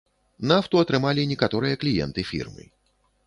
Нафту атрымалі некаторыя кліенты фірмы.